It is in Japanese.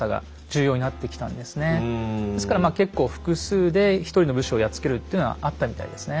まあ結構複数で１人の武士をやっつけるっていうのはあったみたいですね。